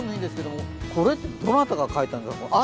これって、どなたが描いたんですか？